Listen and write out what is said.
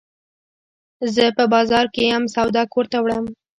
زه په بازار کي یم، سودا کور ته وړم.